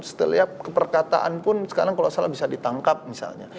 setiap keperkataan pun sekarang kalau salah bisa ditangkap misalnya